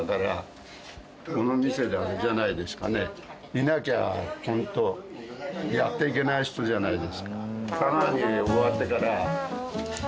いなきゃ本当やっていけない人じゃないですか？